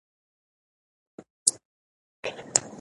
زه د اضطراب د کمولو لپاره مشغولیت لرم.